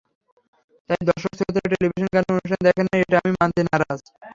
তাই দর্শক-শ্রোতারা টেলিভিশনে গানের অনুষ্ঠান দেখেন না, এটা আমি মানতে নারাজ।